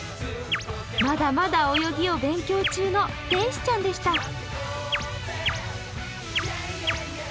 まだまだ泳ぎを勉強中の天使ちゃんでした。